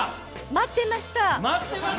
待ってました。